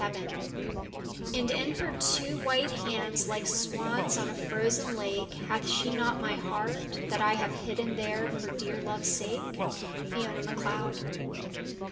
XXVII And in her two white hands like swans on a frozen lake, Hath she not my heart, that I have hidden there for dear love's sake. FIONA MACLEOD.